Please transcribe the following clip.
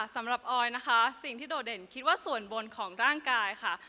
ออยนะคะสิ่งที่โดดเด่นคิดว่าส่วนบนของร่างกายค่ะ